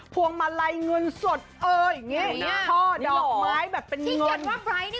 พวงมาลัยเงินสดข้อดอกไม้แบบเป็นเงิน